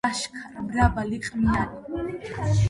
ახალი ტაძარი აგებული იყო ფსევდორუსულ არქიტეტურულ სტილში.